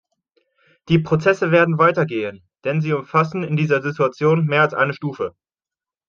Die Prozesse werden weitergehen, denn sie umfassen in dieser Situation mehr als eine Stufe.